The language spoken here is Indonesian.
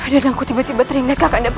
dadaku tiba tiba teringat kakaknya prabu